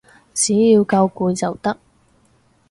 只要夠攰就得